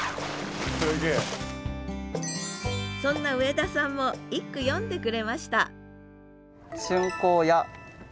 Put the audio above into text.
そんな上田さんも１句詠んでくれました